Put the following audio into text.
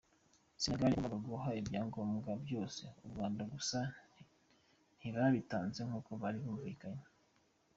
Senegal yagombaga guha ibyangombwa byose u Rwanda, gusa ntibabitanze nk’uko bari bumvikanye.